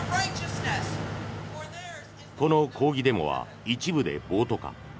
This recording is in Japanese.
この抗議デモは一部で暴徒化。